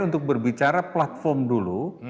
untuk berbicara platform dulu